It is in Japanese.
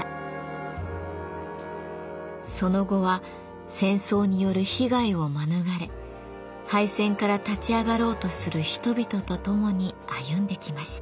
その後は戦争による被害を免れ敗戦から立ち上がろうとする人々とともに歩んできました。